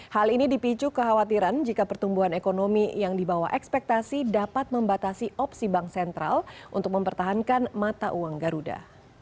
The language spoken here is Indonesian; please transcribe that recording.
hal ini dipicu kekhawatiran jika pertumbuhan ekonomi yang dibawa ekspektasi dapat membatasi opsi bank sentral untuk mempertahankan mata uang garuda